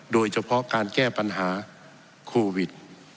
โดยเฉพาะการแก้ปัญหาโควิด